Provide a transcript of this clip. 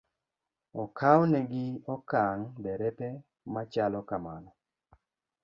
Okawnegi okang' derepe ma chalo kamano.